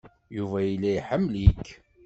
Yuba yella iḥemmel-ik.